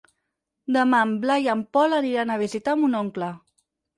Demà en Blai i en Pol aniran a visitar mon oncle.